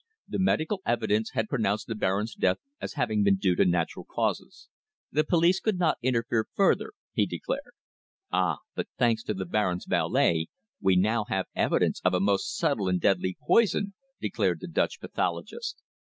The medical evidence had pronounced the Baron's death as having been due to natural causes. The police could not interfere further, he declared. "Ah! but thanks to the Baron's valet we now have evidence of a most subtle and deadly poison," declared the Dutch pathologist.